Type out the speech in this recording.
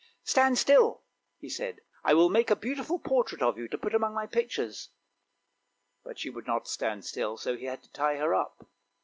" Stand still! " he said. " I will make a beautiful portrait of you to put among my pictures! " But she would not stand still, so he had to tie her up.